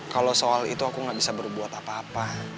kalo soal itu aku gak bisa berbuat apa apa